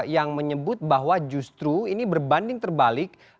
yang menyebut bahwa justru ini berbanding terbalik